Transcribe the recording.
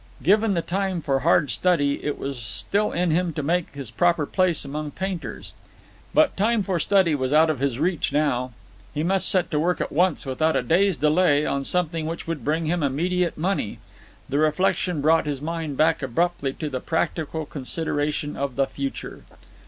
Given the time for hard study, it was still in him to take his proper place among painters. But time for study was out of his reach now. He must set to work at once, without a day's delay, on something which would bring him immediate money. The reflection brought his mind back abruptly to the practical consideration of the future.